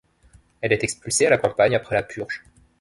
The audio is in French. Elle est expulsée à la campagne après la purge.